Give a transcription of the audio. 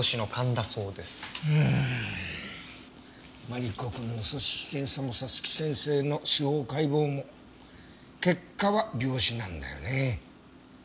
マリコ君の組織検査も早月先生の司法解剖も結果は病死なんだよねえ。